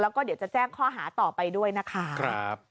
แล้วก็เดี๋ยวจะแจ้งข้อหาต่อไปด้วยนะคะ